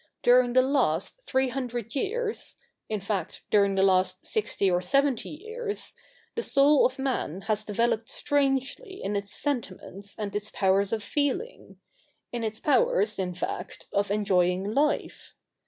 During the last three hundred years — in fact, during the last sixty or seventy years, the soul of man has developed strangely in its sentiments and its powers of feeling ; in its powers, in fact, of enjoying life.